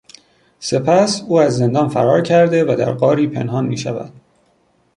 سپس او از زندان فرار کرده و در غاری پنهان میشود.